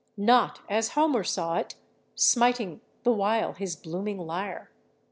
Not as Homer saw it, smiting the while his blooming lyre.